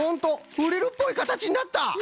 フリルっぽいかたちになった！